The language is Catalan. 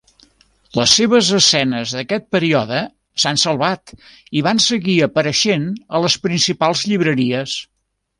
Les seves escenes d'aquest període s'han salvat i van seguir apareixent a les principals llibreries.